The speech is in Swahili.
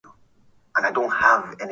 kunakuwepo Amani kwenye mkutano huo